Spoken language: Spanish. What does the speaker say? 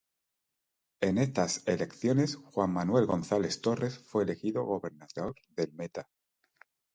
En estas elecciones Juan Manuel González Torres fue elegido gobernador del Meta.